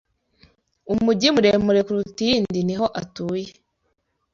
umugi muremure kuruta iyindi niho atuye